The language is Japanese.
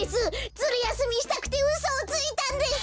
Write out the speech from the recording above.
ズルやすみしたくてうそをついたんです！